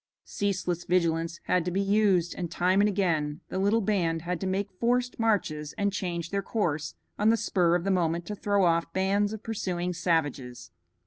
Ceaseless vigilance had to be used, and time and again the little band had to make forced marches and change their course on the spur of the moment to throw off bands of pursuing savages.